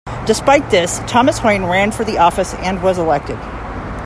Despite this, Thomas Hoyne ran for the office and was elected.